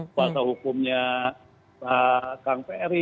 kuasa hukumnya pak kang peri